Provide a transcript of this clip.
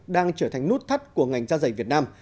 đang trở thành nút thắt của ngành da giày việt nam